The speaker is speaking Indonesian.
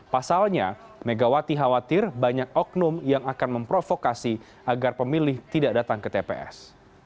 pasalnya megawati khawatir banyak oknum yang akan memprovokasi agar pemilih tidak datang ke tps